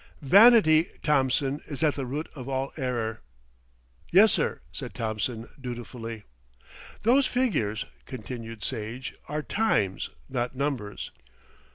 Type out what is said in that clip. "Vanity, Thompson, is at the root of all error." "Yes, sir, said Thompson dutifully. "Those figures," continued Sage, "are times, not numbers."